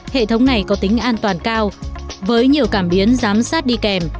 hệ thống này có tính an toàn cao với nhiều cảm biến giám sát đi kèm